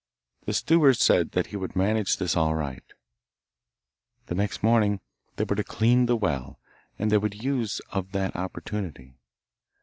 The steward said that he would manage this all right. Next morning they were to clean the well, and they would use of that opportunity.